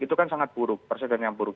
itu kan sangat buruk presiden yang buruk